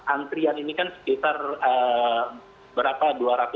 antrian ini kan sekitar berapa